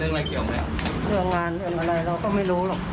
เรื่องงานเรื่องอะไรเราก็ไม่รู้หรอก